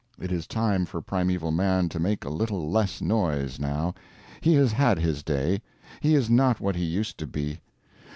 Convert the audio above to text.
It is time for Primeval Man to make a little less noise, now. He has had his day. He is not what he used to be.